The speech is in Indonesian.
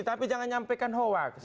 tapi jangan nyampaikan hoax